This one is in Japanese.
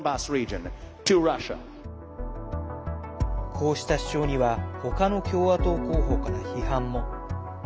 こうした主張には他の共和党候補から批判も。